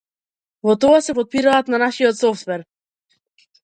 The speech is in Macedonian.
Во тоа се потпираат на нашиот софтвер.